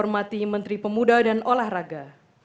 menteri pemuda dan olahraga